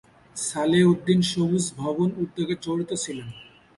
সালেহ উদ্দিন সবুজ ভবন উদ্যোগে জড়িত ছিলেন।